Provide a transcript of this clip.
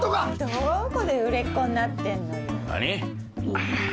どこで売れっ子になってんのよ。何！？